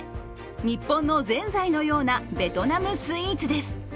日本のぜんざいのようなベトナムスイーツです。